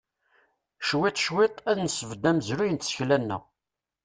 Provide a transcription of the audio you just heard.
Cwiṭ cwiṭ, ad nesbedd amezruy n tsekla-nneɣ.